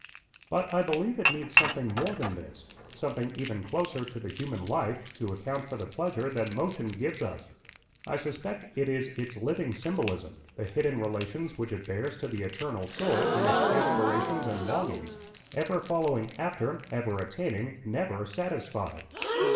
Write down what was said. But I believe it needs something more than this something even closer to the human life to account for the pleasure that motion gives us. I suspect it is its living symbolism; the hidden relations which it bears to the eternal soul in its aspirations and longings ever following after, ever attaining, never satisfied.